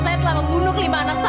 saya telah membunuh lima anak saya